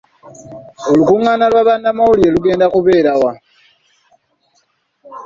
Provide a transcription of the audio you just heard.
Olukungaana lwa bannamawulire lugenda kubeera wa?